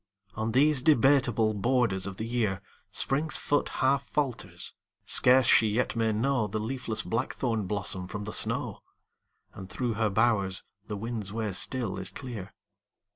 On these debateable* borders of the year Spring's foot half falters; scarce she yet may know The leafless blackthorn blossom from the snow; And through her bowers the wind's way still is clear.